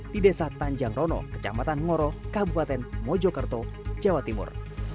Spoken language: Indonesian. di desa tanjangrono kecamatan ngoro kabupaten mojokerto jawa timur